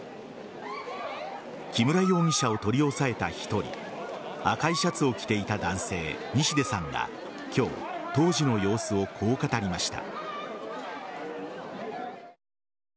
木村容疑者を取り押さえた１人赤いシャツを着ていた男性西出さんが今日、当時の様子をこう語りました。